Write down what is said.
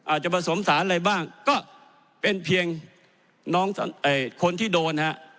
อาจจะผสมสารอะไรบ้างก็เป็นเพียงน้องคนที่โดนฮะ